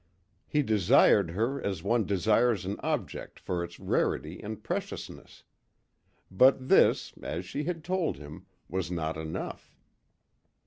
He desired her as one desires an object for its rarity and preciousness; but this, as she had told him, was not enough.